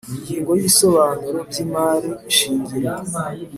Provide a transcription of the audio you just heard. Ingingo y’Ibisobanuro by’ Imari shingiro